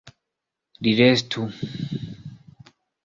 Li restu.